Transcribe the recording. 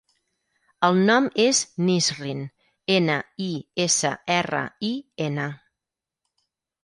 El nom és Nisrin: ena, i, essa, erra, i, ena.